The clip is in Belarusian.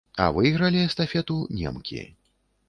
А выйгралі эстафету немкі.